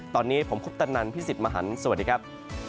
ตอนนี้ผมคุปตนันพี่สิทธิ์มหันฯสวัสดีครับ